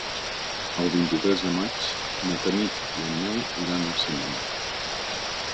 El vint-i-tres de maig na Tanit i en Nel iran al cinema.